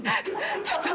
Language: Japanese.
ちょっと。